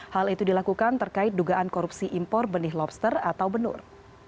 hal itu dilakukan terkait dugaan korupsi impor benih lobster atau benur